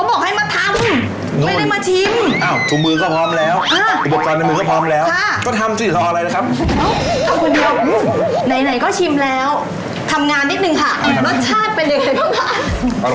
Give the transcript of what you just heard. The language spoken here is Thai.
ดังนั้นยังชิมไม่พอเลยเนี่ยมันอร่อยมากทุกอันเลย